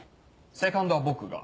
セカンドは僕が。